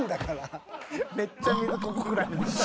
めっちゃ水ここぐらい。